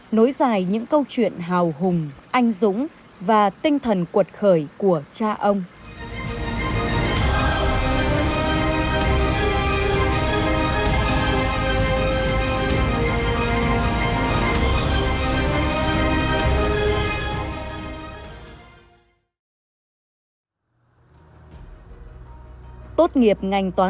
nối dài những câu chuyện hào hùng anh dũng và tinh thần cuột khởi của cha ông